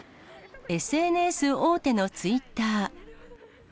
ＳＮＳ大手のツイッター。